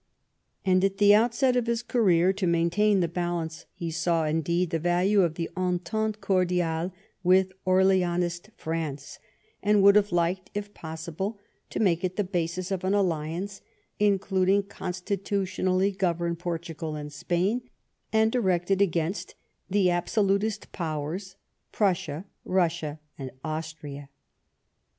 And at the outset of his career, to maintain the balance he saw, indeed, the value of the entente cordiale with Orleanist France, and would have liked, if possible, to BELGIAN INDEPENDENCE. 87 make it the basis of an alliance inolading oonstitu tionally govemed Portugal and Spain, and directed ragainst the Absolatist Powers, Prussia, Russia, and Austria.